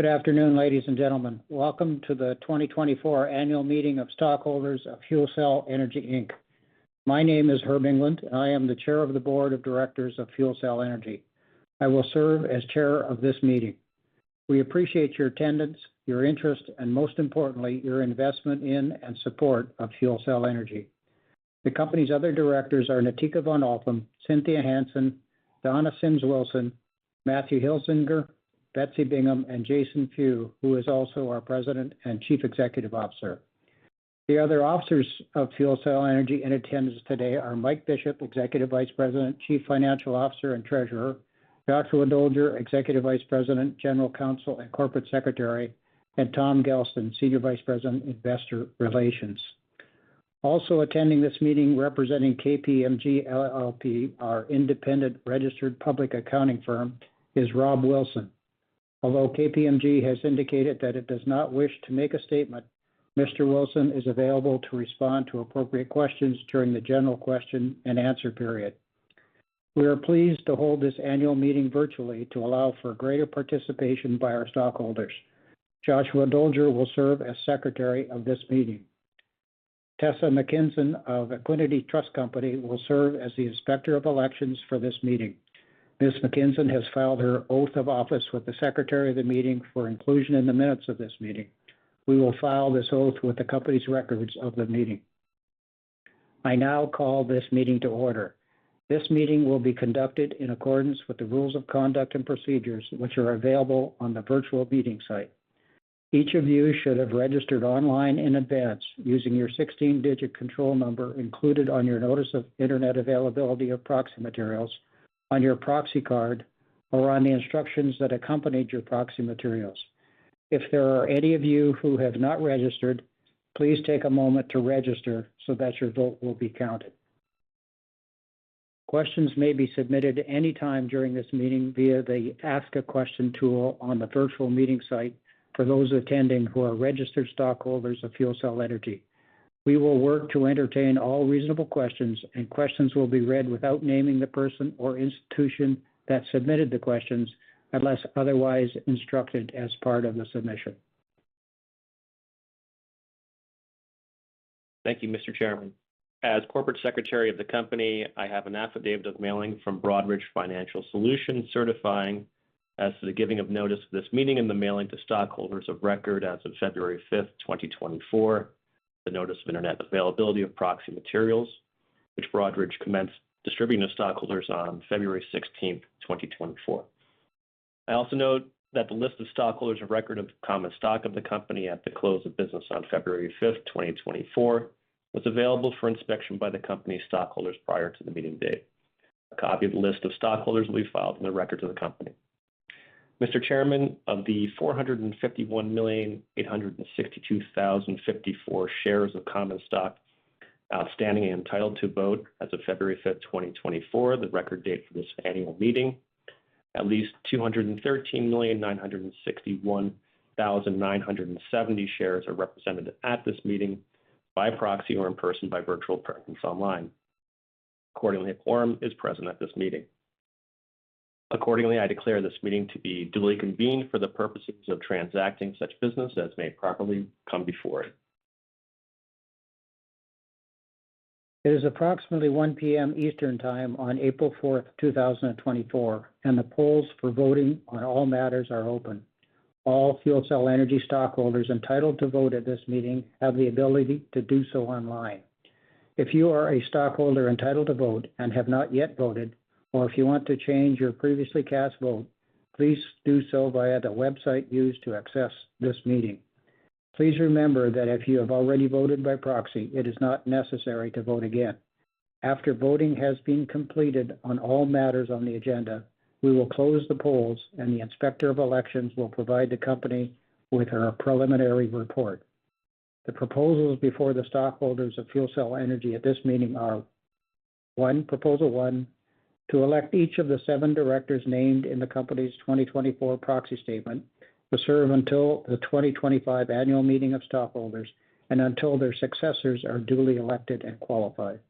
Good afternoon, ladies and gentlemen. Welcome to the 2024 annual meeting of stockholders of FuelCell Energy Inc. My name is James H. England, and I am the Chair of the Board of Directors of FuelCell Energy. I will serve as Chair of this meeting. We appreciate your attendance, your interest, and most importantly, your investment in and support of FuelCell Energy. The company's other directors are Natica von Althann, Cynthia Hansen, Donna Sims Wilson, Matthew Hilzinger, Betsy Bingham, and Jason Few, who is also our President and Chief Executive Officer. The other officers of FuelCell Energy in attendance today are Mike Bishop, Executive Vice President, Chief Financial Officer and Treasurer; Dr. Dolger, Executive Vice President, General Counsel and Corporate Secretary; and Tom Gelston, Senior Vice President, Investor Relations. Also attending this meeting representing KPMG LLP, our independent registered public accounting firm, is Rob Wilson. Although KPMG has indicated that it does not wish to make a statement, Mr. Wilson is available to respond to appropriate questions during the general question and answer period. We are pleased to hold this annual meeting virtually to allow for greater participation by our stockholders. Josh Dolger will serve as Secretary of this meeting. Tessa Mackinson of Equiniti Trust Company will serve as the Inspector of Elections for this meeting. Ms. Mackinson has filed her oath of office with the Secretary of the Meeting for inclusion in the minutes of this meeting. We will file this oath with the company's records of the meeting. I now call this meeting to order. This meeting will be conducted in accordance with the rules of conduct and procedures which are available on the virtual meeting site. Each of you should have registered online in advance using your 16-digit control number included on your notice of internet availability of proxy materials, on your proxy card, or on the instructions that accompanied your proxy materials. If there are any of you who have not registered, please take a moment to register so that your vote will be counted. Questions may be submitted anytime during this meeting via the Ask a Question tool on the virtual meeting site for those attending who are registered stockholders of FuelCell Energy. We will work to entertain all reasonable questions, and questions will be read without naming the person or institution that submitted the questions unless otherwise instructed as part of the submission. Thank you, Mr. Chairman. As Corporate Secretary of the company, I have an affidavit of mailing from Broadridge Financial Solutions certifying as to the giving of notice of this meeting and the mailing to stockholders of record as of February 5, 2024, the notice of internet availability of proxy materials, which Broadridge commenced distributing to stockholders on February 16, 2024. I also note that the list of stockholders of record of common stock of the company at the close of business on February 5, 2024, was available for inspection by the company's stockholders prior to the meeting date. A copy of the list of stockholders will be filed in the records of the company. Mr. Chairman, of the 451,862,054 shares of common stock outstanding and entitled to vote as of February 5, 2024, the record date for this annual meeting, at least 213,961,970 shares are represented at this meeting by proxy or in person by virtual presence online. Accordingly, a quorum is present at this meeting. Accordingly, I declare this meeting to be duly convened for the purposes of transacting such business as may properly come before it. It is approximately 1:00 P.M. Eastern Time on April 4, 2024, and the polls for voting on all matters are open. All FuelCell Energy stockholders entitled to vote at this meeting have the ability to do so online. If you are a stockholder entitled to vote and have not yet voted, or if you want to change your previously cast vote, please do so via the website used to access this meeting. Please remember that if you have already voted by proxy, it is not necessary to vote again. After voting has been completed on all matters on the agenda, we will close the polls, and the Inspector of Elections will provide the company with her preliminary report. The proposals before the stockholders of FuelCell Energy at this meeting are: one) Proposal one: to elect each of the seven directors named in the company's 2024 proxy statement to serve until the 2025 annual meeting of stockholders and until their successors are duly elected and qualified.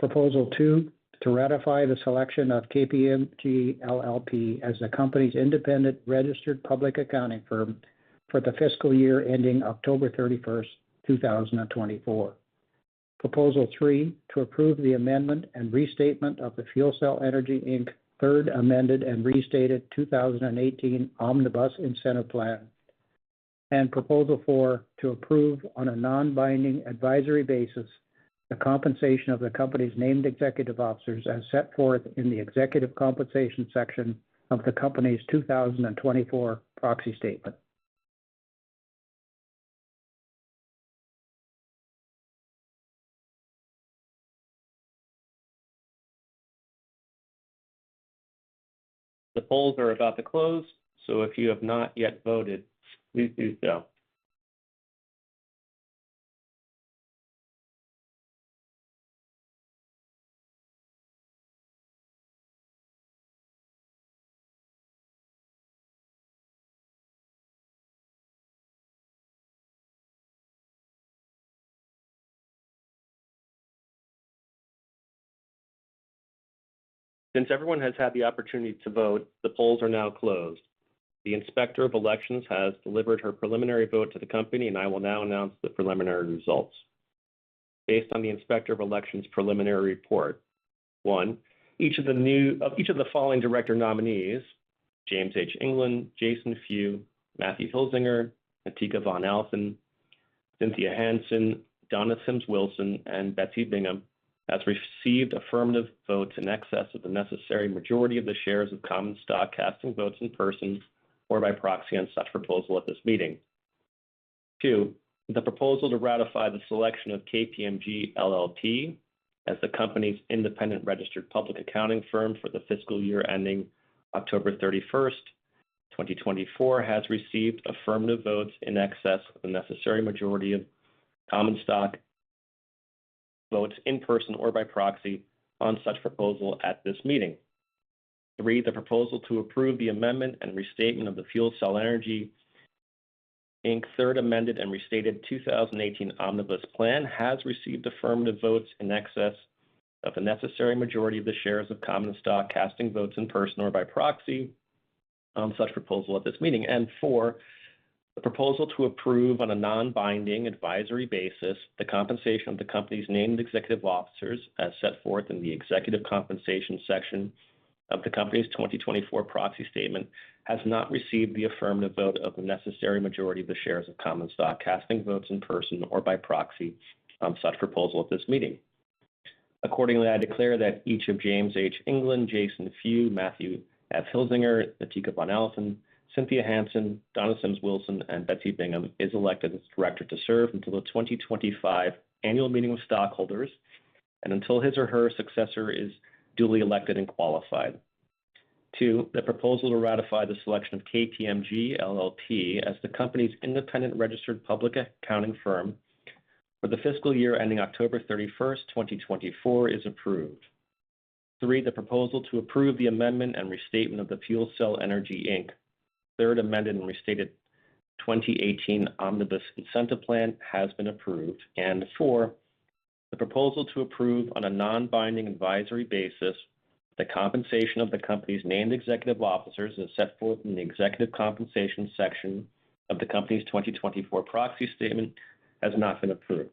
Proposal two: to ratify the selection of KPMG LLP as the company's independent registered public accounting firm for the fiscal year ending October 31, 2024. Proposal three: to approve the amendment and restatement of the FuelCell Energy, Inc., Third Amended and Restated 2018 Omnibus Incentive Plan. And Proposal four: to approve on a non-binding advisory basis the compensation of the company's named executive officers as set forth in the Executive Compensation section of the company's 2024 proxy statement. The polls are about to close, so if you have not yet voted, please do so. Since everyone has had the opportunity to vote, the polls are now closed. The Inspector of Elections has delivered her preliminary vote to the company, and I will now announce the preliminary results. Based on the Inspector of Elections preliminary report: one) Each of the following director nominees (James H. England, Jason Few, Matthew Hilzinger, Natica von Althann, Cynthia Hansen, Donna Sims Wilson, and Betsy Bingham) has received affirmative votes in excess of the necessary majority of the shares of common stock casting votes in person or by proxy on such proposal at this meeting. Two) The proposal to ratify the selection of KPMG LLP as the company's independent registered public accounting firm for the fiscal year ending October 31, 2024, has received affirmative votes in excess of the necessary majority of common stock votes in person or by proxy on such proposal at this meeting. Three) The proposal to approve the amendment and restatement of the FuelCell Energy, Inc., Third Amended and Restated Omnibus Plan has received affirmative votes in excess of the necessary majority of the shares of common stock casting votes in person or by proxy on such proposal at this meeting. And four) The proposal to approve on a non-binding advisory basis the compensation of the company's named executive officers as set forth in the Executive Compensation section of the company's 2024 proxy statement has not received the affirmative vote of the necessary majority of the shares of common stock casting votes in person or by proxy on such proposal at this meeting. Accordingly, I declare that each of James H. England, Jason Few, Matthew Hilzinger, Natica von Althann, Cynthia Hansen, Donna Sims Wilson, and Betsy Bingham is elected as Director to serve until the 2025 annual meeting of stockholders and until his or her successor is duly elected and qualified. Two) The proposal to ratify the selection of KPMG LLP as the company's independent registered public accounting firm for the fiscal year ending October 31, 2024, is approved. Three) The proposal to approve the amendment and restatement of the FuelCell Energy, Inc., Third Amended and Restated 2018 Omnibus Incentive Plan has been approved. Four) The proposal to approve on a non-binding advisory basis the compensation of the company's named executive officers as set forth in the Executive Compensation section of the company's 2024 proxy statement has not been approved.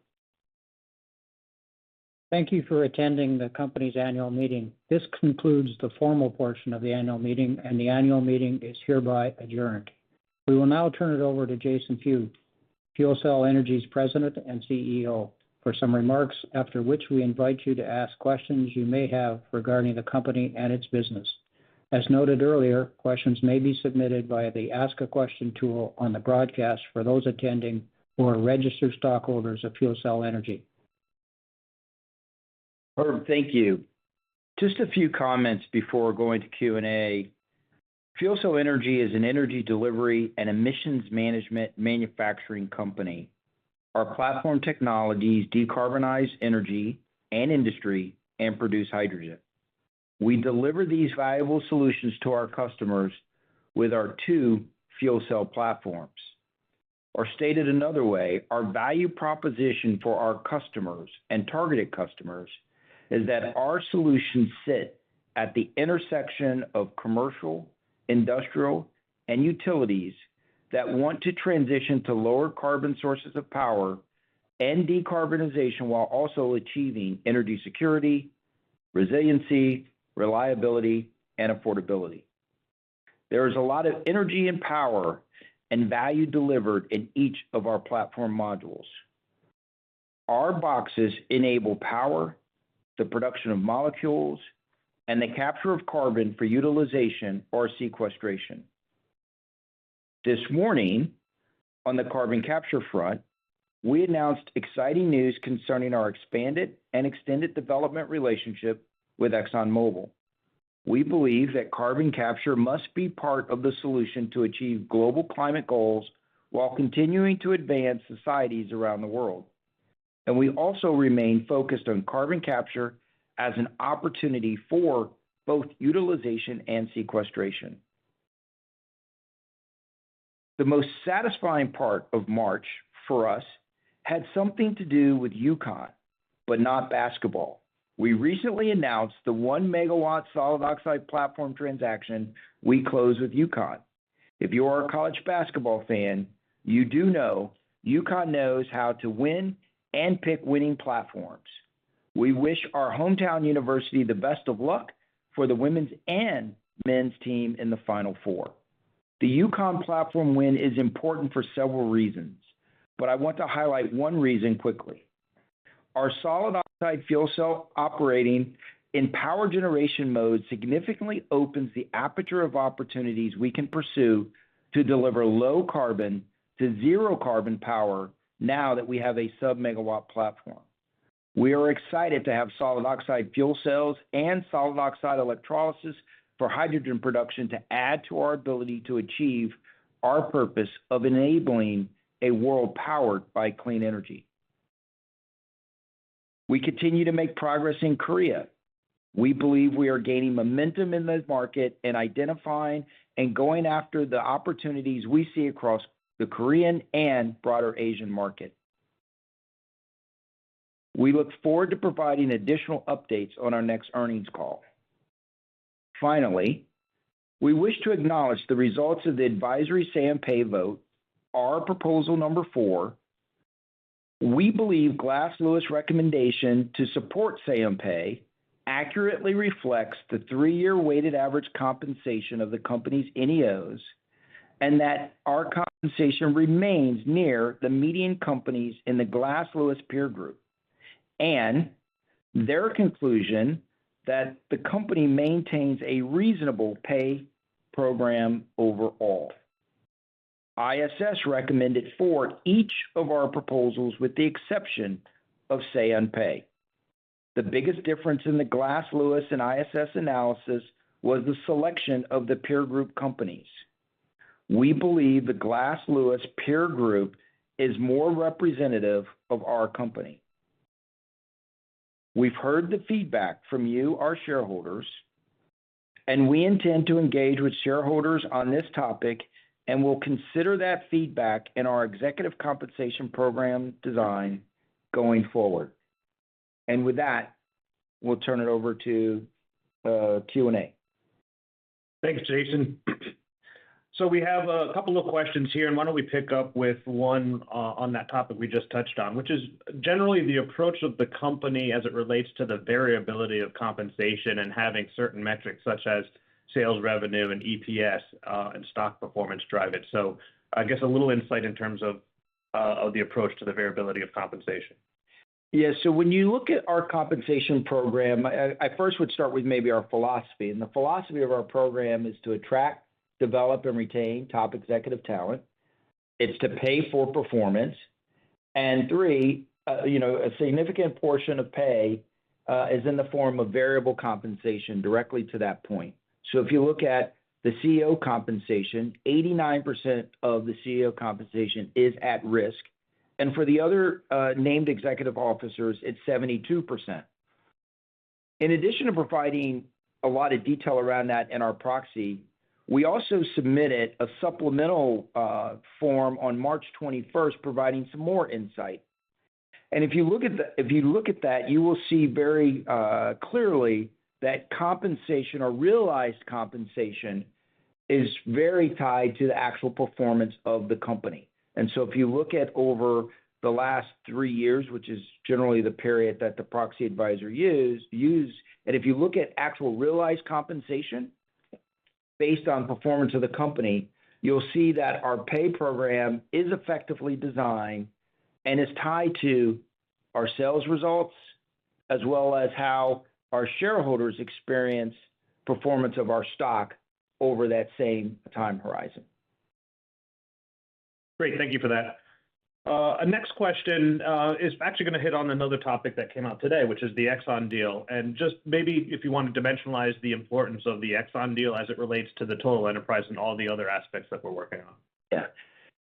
Thank you for attending the company's annual meeting. This concludes the formal portion of the annual meeting, and the annual meeting is hereby adjourned. We will now turn it over to Jason Few, FuelCell Energy's President and CEO, for some remarks, after which we invite you to ask questions you may have regarding the company and its business. As noted earlier, questions may be submitted via the Ask a Question tool on the broadcast for those attending or registered stockholders of FuelCell Energy. Herb, thank you. Just a few comments before going to Q&A. FuelCell Energy is an energy delivery and emissions management manufacturing company. Our platform technologies decarbonize energy and industry and produce hydrogen. We deliver these valuable solutions to our customers with our two fuel cell platforms. Or stated another way, our value proposition for our customers and targeted customers is that our solutions sit at the intersection of commercial, industrial, and utilities that want to transition to lower carbon sources of power and decarbonization while also achieving energy security, resiliency, reliability, and affordability. There is a lot of energy and power and value delivered in each of our platform modules. Our boxes enable power, the production of molecules, and the capture of carbon for utilization or sequestration. This morning, on the carbon capture front, we announced exciting news concerning our expanded and extended development relationship with ExxonMobil. We believe that carbon capture must be part of the solution to achieve global climate goals while continuing to advance societies around the world. We also remain focused on carbon capture as an opportunity for both utilization and sequestration. The most satisfying part of March for us had something to do with UConn but not basketball. We recently announced the one megawatt solid oxide platform transaction we closed with UConn. If you are a college basketball fan, you do know UConn knows how to win and pick winning platforms. We wish our hometown university the best of luck for the women's and men's team in the final four. The UConn platform win is important for several reasons, but I want to highlight one reason quickly. Our Solid Oxide Fuel Cell operating in power generation mode significantly opens the aperture of opportunities we can pursue to deliver low carbon to zero carbon power now that we have a sub-megawatt platform. We are excited to have Solid Oxide Fuel Cells and Solid Oxide Electrolysis for hydrogen production to add to our ability to achieve our purpose of enabling a world powered by clean energy. We continue to make progress in Korea. We believe we are gaining momentum in the market and identifying and going after the opportunities we see across the Korean and broader Asian market. We look forward to providing additional updates on our next earnings call. Finally, we wish to acknowledge the results of the Advisory Say-on-Pay vote, our Proposal Number four. We believe Glass Lewis' recommendation to support Say-on-Pay accurately reflects the three-year weighted average compensation of the company's NEOs and that our compensation remains near the median companies in the Glass Lewis peer group and their conclusion that the company maintains a reasonable pay program overall. ISS recommended for each of our proposals with the exception of Say-on-Pay. The biggest difference in the Glass Lewis and ISS analysis was the selection of the peer group companies. We believe the Glass Lewis peer group is more representative of our company. We've heard the feedback from you, our shareholders, and we intend to engage with shareholders on this topic and will consider that feedback in our Executive Compensation Program design going forward. With that, we'll turn it over to Q&A. Thanks, Jason. So we have a couple of questions here, and why don't we pick up with one on that topic we just touched on, which is generally the approach of the company as it relates to the variability of compensation and having certain metrics such as sales revenue and EPS and stock performance drive it. So I guess a little insight in terms of the approach to the variability of compensation. Yeah, so when you look at our compensation program, I first would start with maybe our philosophy. The philosophy of our program is to attract, develop, and retain top executive talent. It's to pay for performance. Three, a significant portion of pay is in the form of variable compensation directly to that point. So if you look at the CEO compensation, 89% of the CEO compensation is at risk. And for the other named executive officers, it's 72%. In addition to providing a lot of detail around that in our proxy, we also submitted a supplemental form on March 21st providing some more insight. And if you look at that, you will see very clearly that compensation or realized compensation is very tied to the actual performance of the company. And so if you look at over the last three years, which is generally the period that the proxy advisor used, and if you look at actual realized compensation based on performance of the company, you'll see that our pay program is effectively designed and is tied to our sales results as well as how our shareholders experience performance of our stock over that same time horizon. Great. Thank you for that. A next question is actually going to hit on another topic that came out today, which is the Exxon deal. Just maybe if you want to dimensionalize the importance of the Exxon deal as it relates to the total enterprise and all the other aspects that we're working on. Yeah.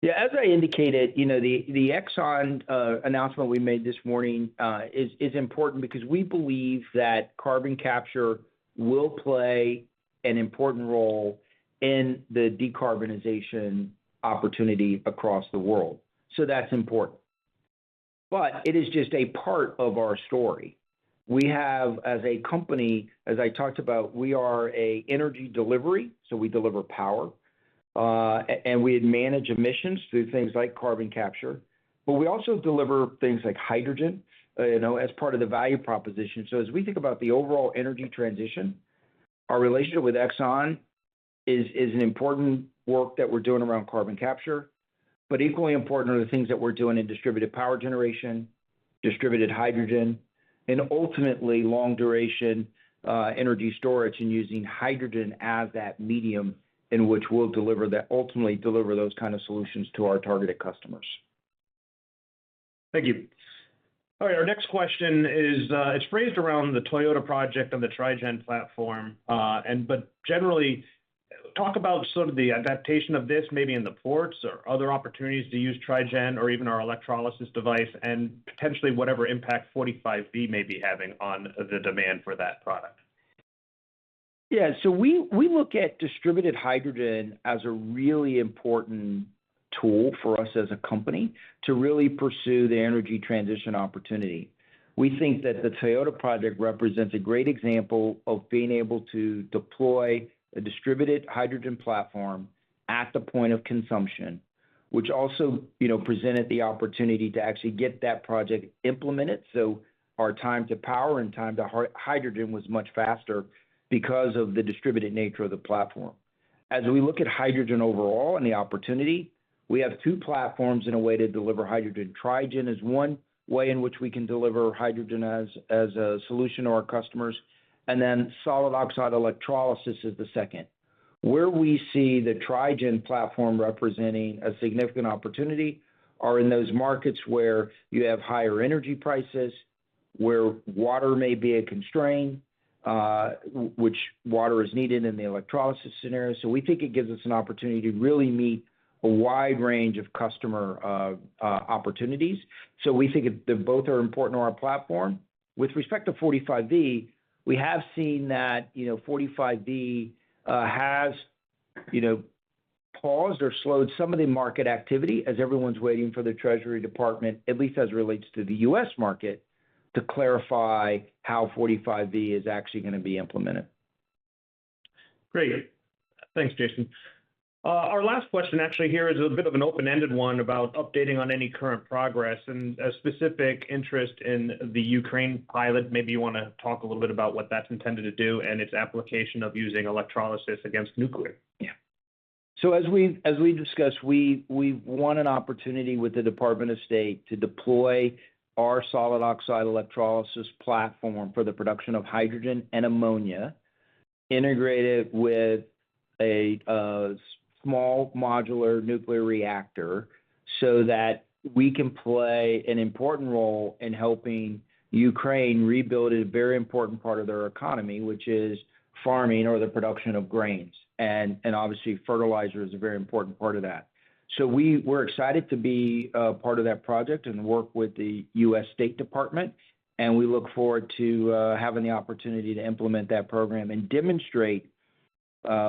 Yeah, as I indicated, the Exxon announcement we made this morning is important because we believe that carbon capture will play an important role in the decarbonization opportunity across the world. So that's important. But it is just a part of our story. We have, as a company, as I talked about, we are an energy delivery, so we deliver power. And we manage emissions through things like carbon capture. But we also deliver things like hydrogen as part of the value proposition. So as we think about the overall energy transition, our relationship with Exxon is an important work that we're doing around carbon capture. But equally important are the things that we're doing in distributed power generation, distributed hydrogen, and ultimately long-duration energy storage and using hydrogen as that medium in which we'll deliver that ultimately deliver those kind of solutions to our targeted customers. Thank you. All right, our next question is. It's phrased around the Toyota project and the Tri-gen platform. But generally, talk about sort of the adaptation of this maybe in the ports or other opportunities to use Tri-gen or even our electrolysis device and potentially whatever impact 45V may be having on the demand for that product. Yeah, so we look at distributed hydrogen as a really important tool for us as a company to really pursue the energy transition opportunity. We think that the Toyota project represents a great example of being able to deploy a distributed hydrogen platform at the point of consumption, which also presented the opportunity to actually get that project implemented. So our time to power and time to hydrogen was much faster because of the distributed nature of the platform. As we look at hydrogen overall and the opportunity, we have two platforms in a way to deliver hydrogen. Tri-gen is one way in which we can deliver hydrogen as a solution to our customers. And then solid oxide electrolysis is the second. Where we see the Tri-gen platform representing a significant opportunity are in those markets where you have higher energy prices, where water may be a constraint, which water is needed in the electrolysis scenario. So we think it gives us an opportunity to really meet a wide range of customer opportunities. So we think they both are important to our platform. With respect to 45V, we have seen that 45V has paused or slowed some of the market activity as everyone's waiting for the Treasury Department, at least as it relates to the U.S. market, to clarify how 45V is actually going to be implemented. Great. Thanks, Jason. Our last question actually here is a bit of an open-ended one about updating on any current progress and a specific interest in the Ukraine pilot. Maybe you want to talk a little bit about what that's intended to do and its application of using electrolysis against nuclear. Yeah. So as we discussed, we want an opportunity with the Department of State to deploy our solid oxide electrolysis platform for the production of hydrogen and ammonia integrated with a small modular nuclear reactor so that we can play an important role in helping Ukraine rebuild a very important part of their economy, which is farming or the production of grains. And obviously, fertilizer is a very important part of that. So we're excited to be part of that project and work with the U.S. State Department. And we look forward to having the opportunity to implement that program and demonstrate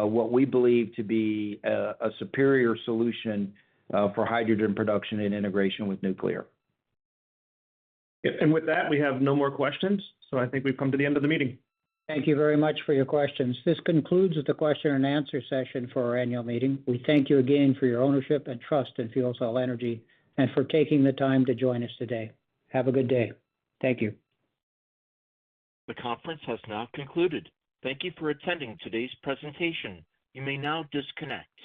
what we believe to be a superior solution for hydrogen production and integration with nuclear. Yeah. And with that, we have no more questions. So I think we've come to the end of the meeting. Thank you very much for your questions. This concludes the question and answer session for our annual meeting. We thank you again for your ownership and trust in FuelCell Energy and for taking the time to join us today. Have a good day. Thank you. The conference has now concluded. Thank you for attending today's presentation. You may now disconnect.